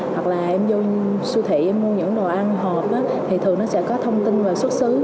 hoặc là em vô siêu thị em mua những đồ ăn hộp thì thường nó sẽ có thông tin về xuất xứ